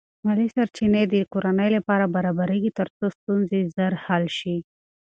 مالی سرچینې د کورنۍ لپاره برابرېږي ترڅو ستونزې ژر حل شي.